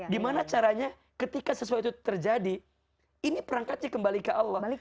gimana caranya ketika sesuatu itu terjadi ini perangkatnya kembali ke allah